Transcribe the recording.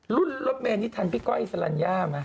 รุ่นลบเม้นที่ทันพี่ก้อยสลัญญามา